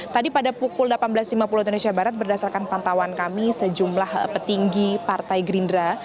tadi pada pukul delapan belas lima puluh waktu indonesia barat berdasarkan pantauan kami sejumlah petinggi partai gerindra